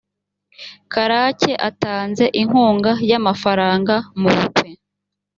karake atanze inkunga y amagafanga mu bukwe